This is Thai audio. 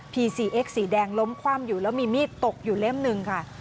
ีซีเอ็กสีแดงล้มคว่ำอยู่แล้วมีมีดตกอยู่เล่มหนึ่งค่ะ